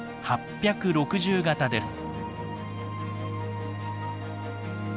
８６０形です。